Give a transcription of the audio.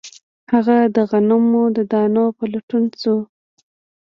هغه د غنمو د دانو په لټون شو